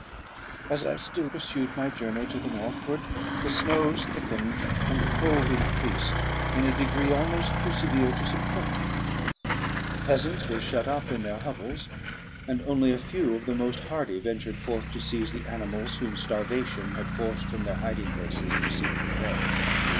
As I still pursued my journey to the northward, the snows thickened, and the cold increased in a degree almost too severe to support. The peasants were shut up in their hovels, and only a few of the most hardy ventured forth to seize the animals whom starvation had forced from their hiding places to seek for prey.